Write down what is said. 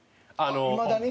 いまだに？